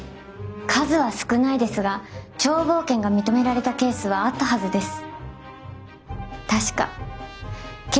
数は少ないですが眺望権が認められたケースはあったはずです。